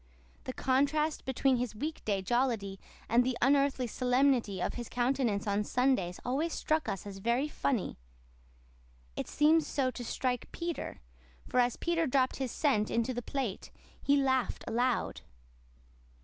The contrast between his week day jollity and the unearthly solemnity of his countenance on Sundays always struck us as very funny. It seemed so to strike Peter; for as Peter dropped his cent into the plate he laughed aloud!